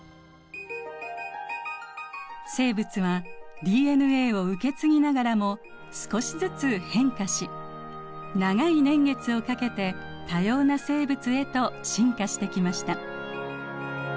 生物はＤＮＡを受け継ぎながらも少しずつ変化し長い年月をかけて多様な生物へと進化してきました。